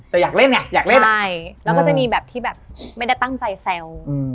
แต่อยากเล่นไงอยากเล่นใช่แล้วก็จะมีแบบที่แบบไม่ได้ตั้งใจแซว